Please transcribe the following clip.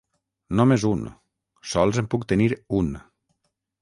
Només un; sols en puc tenir un.